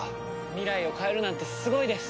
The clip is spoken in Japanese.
未来を変えるなんてすごいです！